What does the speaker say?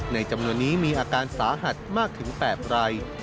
จำนวนนี้มีอาการสาหัสมากถึง๘ราย